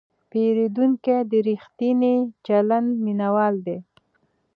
پیرودونکی د ریښتیني چلند مینهوال دی.